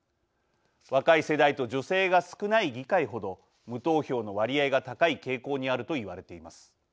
若い世代と女性が少ない議会ほど無投票の割合が高い傾向にあると言われています。